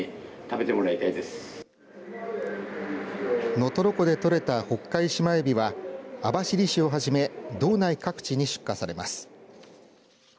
能取湖で取れたホッカイシマエビは網走市をはじめ道内各地に出荷されます。